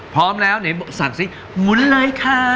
พร้อมแล้วไหนสั่งสิหมุนเลยค่ะ